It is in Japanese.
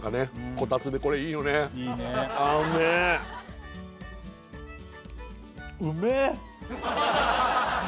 こたつでこれいいよねいいねあうめえ！